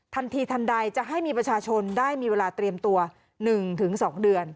ทันทีทันใดจะให้มีประชาชนได้มีเวลาเตรียมตัว๑๒เดือน